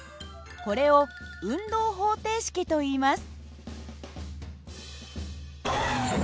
これを運動方程式といいます。